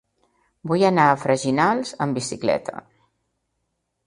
Vull anar a Freginals amb bicicleta.